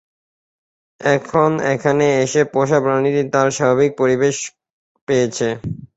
এখন এখানে এসে পোষা প্রাণীটি তার স্বাভাবিক পরিবেশ পেয়েছে।